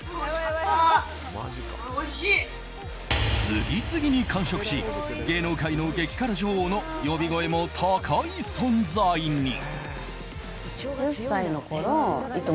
次々に完食し、芸能界の激辛女王の呼び声も高い存在に。